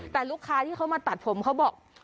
แต่ลูกค้าที่เขามาตัดผมเขาบอก